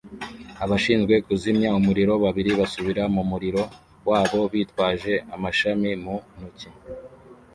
Abashinzwe kuzimya umuriro babiri basubira mu muriro wabo bitwaje amashami mu ntoki